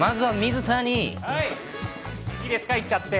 いいですか、いっちゃって。